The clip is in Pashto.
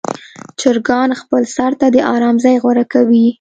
چرګان خپل سر ته د آرام ځای غوره کوي.